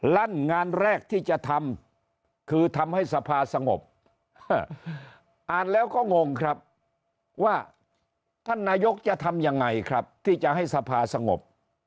ลั่นงานแรกที่จะทำคือทำให้สภาสงบอ่านแล้วก็งงครับว่าท่านนายกจะทำยังไงครับที่จะให้สภาสงบ